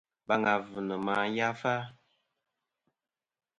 Baŋ avɨ nɨ ma yafa.